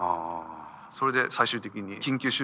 それで最終的に緊急手術。